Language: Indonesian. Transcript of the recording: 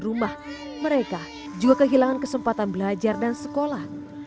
di rumah mereka juga kehilangan kesempatan belajar dan sekolah